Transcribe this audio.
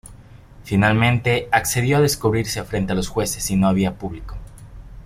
Finalmente accedió a descubrirse frente a los jueces si no había público.